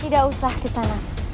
tidak usah ke sana